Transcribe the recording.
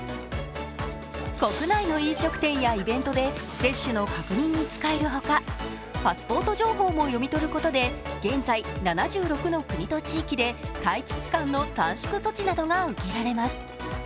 国内の飲食店やイベントで接種の確認に使えるほか、パスポート情報も読み取ることで現在７６の国と地域で待機期間の短縮措置などが受けられます。